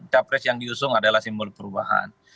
capres yang diusung adalah simbol perubahan